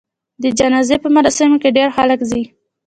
د جنازې په مراسمو کې ډېر خلک ځي.